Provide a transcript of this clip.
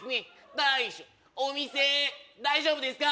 大将お店大丈夫ですか？